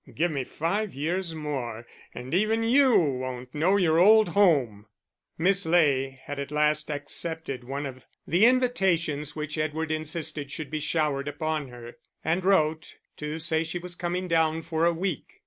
Give me five years more and even you won't know your old home." Miss Ley had at last accepted one of the invitations which Edward insisted should be showered upon her, and wrote to say she was coming down for a week.